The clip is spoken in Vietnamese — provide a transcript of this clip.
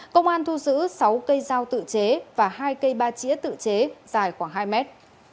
công an thu giữ sáu cây dao tự chế và hai cây ba chĩa tự chế dài khoảng hai mét